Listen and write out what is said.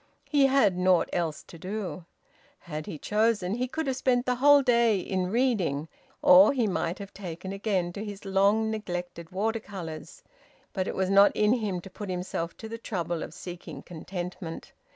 He had naught else to do. Had he chosen he could have spent the whole day in reading, or he might have taken again to his long neglected water colours. But it was not in him to put himself to the trouble of seeking contentment.